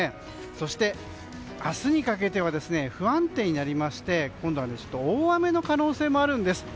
そして、明日にかけては不安定になりまして今度は大雨の可能性もあるんです。